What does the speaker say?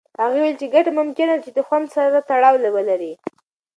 هغه وویل چې ګټې ممکنه ده چې د خوند سره تړاو ولري.